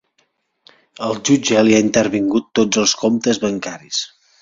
El jutge li ha intervingut tots els comptes bancaris.